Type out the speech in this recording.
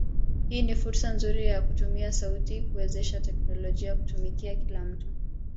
hii ni fursa nzuri ya kutumia sauti kuwezesha teknolojia kutumikia kila mtu.